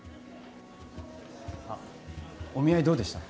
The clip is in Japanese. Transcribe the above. あっお見合いどうでした？